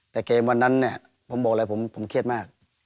แต่เกมวันนั้นเนี่ยผมบอกเลยผมเครียดมาก